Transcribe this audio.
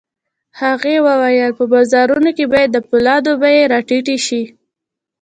هغه وویل په بازارونو کې باید د پولادو بيې را ټیټې شي